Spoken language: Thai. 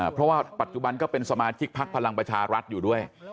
เพราะว่าปัจจุบันก็เป็นสมาชิกพักพลังประชารัฐอยู่ด้วย